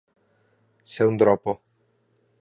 Ser un dropo.